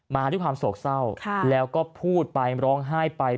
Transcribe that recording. มาด้วยความโศกเศร้าแล้วก็พูดไปร้องไห้ไป